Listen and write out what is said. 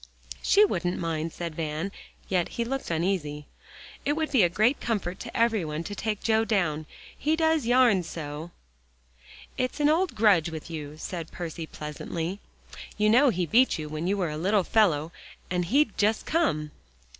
"She wouldn't mind," said Van, yet he looked uneasy. "It would be a great comfort to every one, to take Joe down. He does yarn so." "It's an old grudge with you," said Percy pleasantly. "You know he beat you when you were a little fellow, and he'd just come."